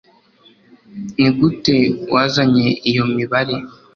Nigute wazanye iyo mibare